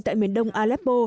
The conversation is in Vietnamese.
tại miền đông aleppo